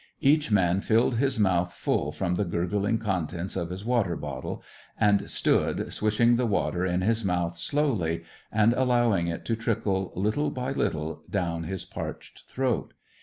Each man filled his mouth full from the gurgling contents of his water bottle, and stood, swishing the water in his mouth slowly, and allowing it to trickle little by little down his parched throat.